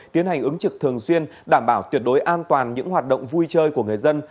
tiến hành ứng trực thường xuyên đảm bảo tuyệt đối an toàn những hoạt động vui chơi của người dân